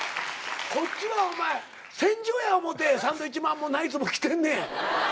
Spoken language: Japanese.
こっちは戦場や思うてサンドウィッチマンもナイツも来てんねん。